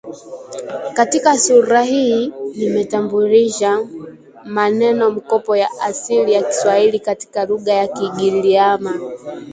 Katika sura hii nimetambulisha manenomkopo ya asili ya Kiswahili katika lugha ya Kigiriama